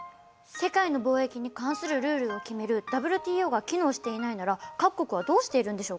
世界の貿易に関するルールを決めるＷＴＯが機能していないなら各国はどうしているんでしょうか。